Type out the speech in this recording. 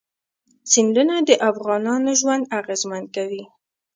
سیندونه د افغانانو ژوند اغېزمن کوي.